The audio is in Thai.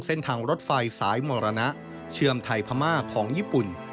เส้นทางรถไฟสายมรณะเชื่อมไทยพม่าของญี่ปุ่น